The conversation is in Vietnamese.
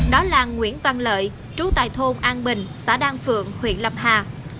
đó là nguyễn văn lợi trú tại thôn an bình xã đan phượng huyện lâm hà